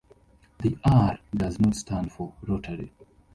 The 'R' does not stand for rotary.